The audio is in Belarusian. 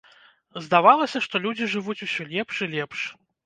Здавалася, што людзі жывуць усё лепш і лепш.